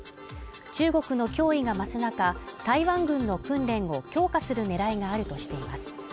中国の脅威が増す中、台湾軍の訓練を強化する狙いがあるとしています。